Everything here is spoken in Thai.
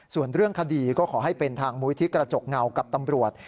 ส่วนเรื่องคดีก็ขอให้เป็นทางมุยที่กระจกเงากับตำรวจ